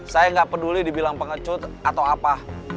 saya nggak peduli dibilang pengecut atau apa